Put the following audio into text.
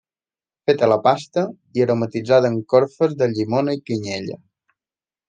Feta la pasta, i aromatitzada amb corfes de llimona i canyella.